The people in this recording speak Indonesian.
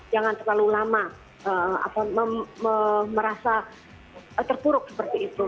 jangan terlalu lama merasa terpuruk seperti itu